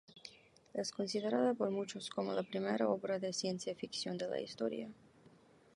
Es considerada por muchos como la primera obra de ciencia ficción de la historia.